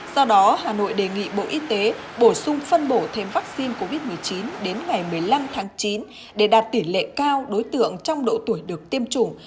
do đó hà nội đề nghị bộ y tế bổ sung phân bổ thêm vaccine covid một mươi chín đến ngày một mươi năm tháng chín để đạt tỷ lệ cao đối tượng trong độ tuổi được tiêm chủng